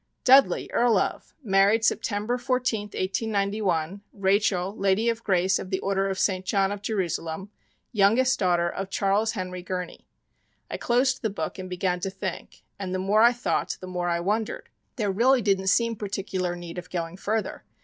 "Dudley, Earl of, married September 14, 1891, Rachael, Lady of Grace of the Order of St. John of Jerusalem, youngest daughter of Charles Henry Gurney." I closed the book and began to think, and the more I thought the more I wondered. There really didn't seem particular need of going further.